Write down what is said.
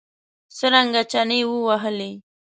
څرنګه چنې ووهلې.